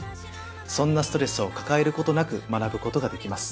そんなストレスを抱える事なく学ぶ事ができます。